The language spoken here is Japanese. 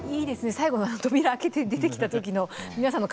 最後の扉開けて出てきた時の皆さんの解放感。